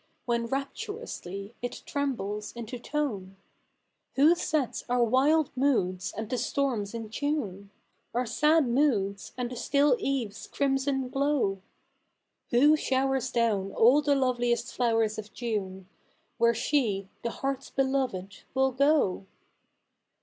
When 7 aptni'onsly it tre?}ibles into tone ? Who sets our wild moods and the storms in tune ? Our sad moods, and the still eve''s crimson glo7v ? Who sho7vers down all the loveliest floivers of June, Where she, the hearfs beloved, will go